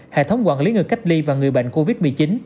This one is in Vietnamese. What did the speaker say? hệ thống quản lý người cách ly và người bệnh covid một mươi chín